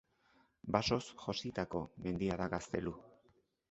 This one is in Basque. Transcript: Basoz jositako mendia da Gaztelu.